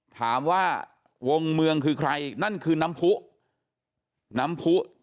ถามว่าวงเมืองคือใครนั่นคือน้ำผู้